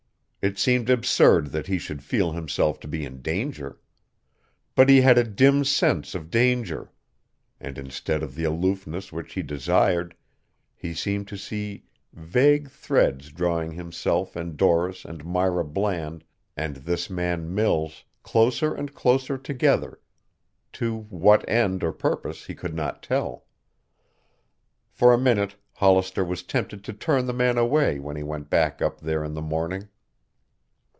It seemed absurd that he should feel himself to be in danger. But he had a dim sense of danger. And instead of the aloofness which he desired, he seemed to see vague threads drawing himself and Doris and Myra Bland and this man Mills closer and closer together, to what end or purpose he could not tell. For a minute Hollister was tempted to turn the man away when he went back up there in the morning.